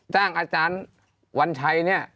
อาจารย์วันชัยเนี่ย